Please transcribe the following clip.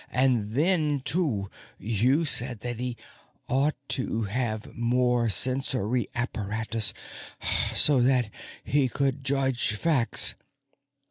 And then, too you said that he ought to have more sensory apparatus, so that he could judge facts.